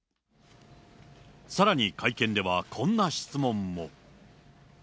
さらに会見では、こんな質問も。